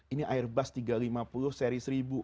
ini airbus tiga ratus lima puluh seri seribu